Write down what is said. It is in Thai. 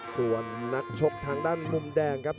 มีความรู้สึกว่า